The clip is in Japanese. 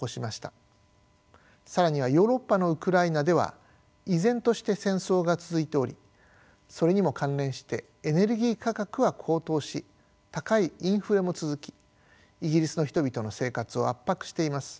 更にはヨーロッパのウクライナでは依然として戦争が続いておりそれにも関連してエネルギー価格は高騰し高いインフレも続きイギリスの人々の生活を圧迫しています。